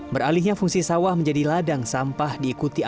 beralihnya fungsi sawah menjadi ladang sampah diikuti akar